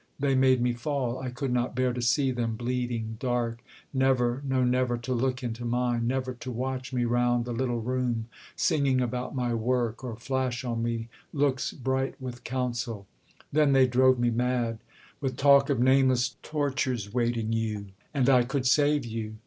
They made me fall. I could not bear to see them, bleeding, dark, Never, no never to look into mine; Never to watch me round the little room Singing about my work, or flash on me Looks bright with counsel. Then they drove me mad With talk of nameless tortures waiting you And I could save you!